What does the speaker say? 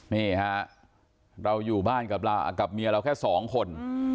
นี่ฮะเราอยู่บ้านกับเมียเราแค่สองคน